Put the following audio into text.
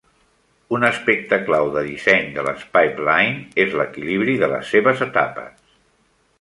Un aspecte clau de disseny de les pipeline és l'equilibri de les seves etapes.